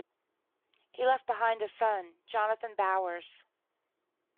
He left behind a son, Jonathan Bowers.